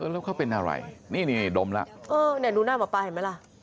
แล้วเขาเป็นอะไรนี่นี่ดมล่ะเออเนี่ยดูหน้าหมอปลาเห็นไหมล่ะ